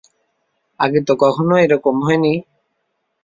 আগে তো এরকম কখনো হয় নি!